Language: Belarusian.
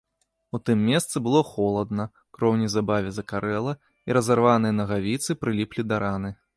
У тым месцы было холадна, кроў неўзабаве закарэла, і разарваныя нагавіцы прыліплі да раны.